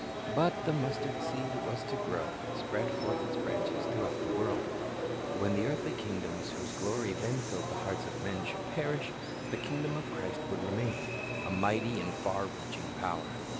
But the mustard seed was to grow and spread forth its branches throughout the world. When the eartMy kingdoms whose glory then filled the hearts of men should perish, the kingdom of Christ would remain, a mighty and far reaclung power.